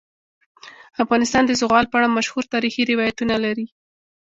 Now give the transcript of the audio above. افغانستان د زغال په اړه مشهور تاریخی روایتونه لري.